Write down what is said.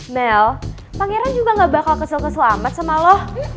mel pangeran juga gak bakal kesel keselamat sama lo